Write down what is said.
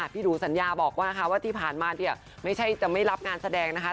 พี่หนูสัญญาบอกว่าที่ผ่านมาเนี่ยไม่ใช่จะไม่รับงานแสดงนะคะ